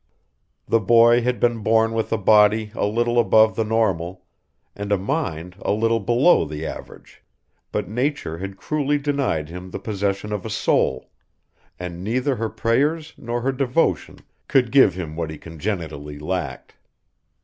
The boy had been born with a body a little above the normal, and a mind a little below the average, but nature had cruelly denied him the possession of a soul, and neither her prayers nor her devotion could give him what he congenitally lacked.